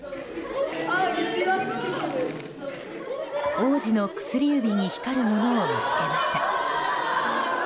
王子の薬指に光るものを見つけました。